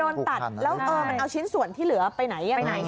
โดนตัดแล้วมันเอาชิ้นส่วนที่เหลือไปไหนยังไง